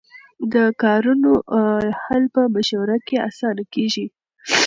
د کارونو حل په مشوره کې اسانه کېږي.